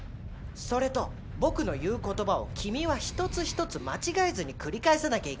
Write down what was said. それと僕の言う言葉を君は一つ一つ間違えずに繰り返さなきゃいけないよ。